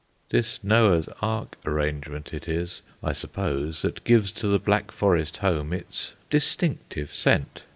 This Noah's Ark arrangement it is, I suppose, that gives to the Black Forest home its distinctive scent.